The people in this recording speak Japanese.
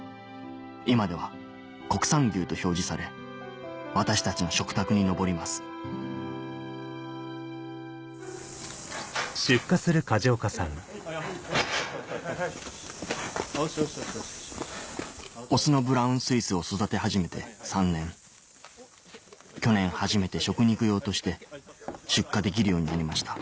今では国産牛と表示され私たちの食卓に上りますオスのブラウンスイスを育て始めて３年去年初めて食肉用として出荷できるようになりました